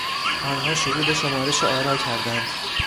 آنها شروع به شمارش آرا کردند.